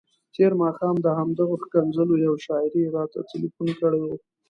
تېر ماښام د همدغو ښکنځلو یوې شاعرې راته تلیفون کړی وو.